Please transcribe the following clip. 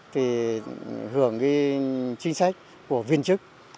thì hưởng chính sách của viên chức